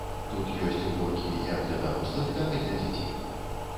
Тут ёсць горкі як для дарослых, так і для дзяцей.